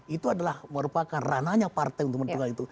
itu adalah merupakan rananya partai untuk mendukung hal itu